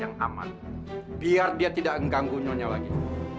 yang aman biar dia tidak mengganggunya lagi